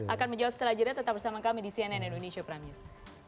akan menjawab setelah jeda tetap bersama kami di cnn indonesia prime news